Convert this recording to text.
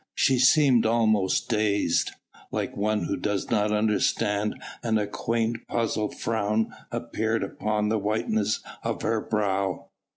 She seemed almost dazed like one who does not understand and a quaint puzzled frown appeared upon the whiteness of her brow.